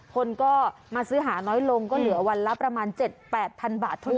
คนก็มาซื้อหาน้อยลงก็เหลือวันละประมาณ๗๘๐๐๐บาททั่ว